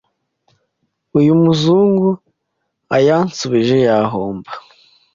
uyu muzungu ayansubije yahomba”